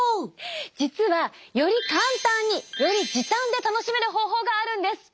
実はより簡単により時短で楽しめる方法があるんです。